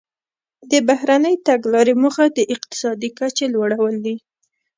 د بهرنۍ تګلارې موخه د اقتصادي کچې لوړول دي